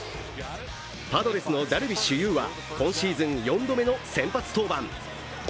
パドレスのダルビッシュ有は今シーズン４度目の先発登板。